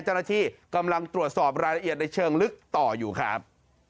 เจ้าหน้าที่กำลังตรวจสอบรายละเอียดในเชิงลึกต่ออยู่ครับ